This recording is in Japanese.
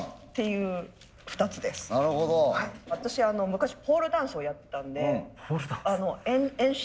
私昔ポールダンスをやってたんで遠心力。